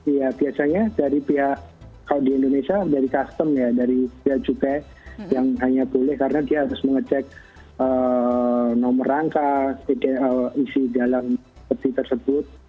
iya biasanya dari pihak kalau di indonesia dari custom ya dari biaya cukai yang hanya boleh karena dia harus mengecek nomor rangka isi jalan seperti tersebut